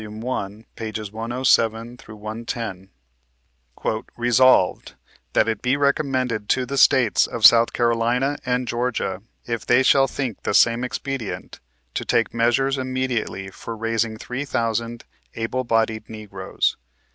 i., pp. 107 110: " Resolved, That it be recommended to the States of South Carolina and Georgia, if they shall think the same expedient, to take measures immediately for raising three thousand able bodied Negroes.